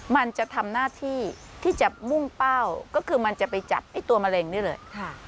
มันจะทำหน้าที่ที่จะมุ่งเป้าก็คือมันจะไปจับไอ้ตัวมะเร็งนี่เลย